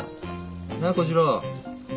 なあ小次郎。